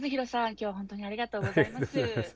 今日は本当にありがとうございます。